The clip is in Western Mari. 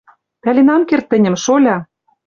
— Пӓлен ам керд тӹньӹм, шоля, —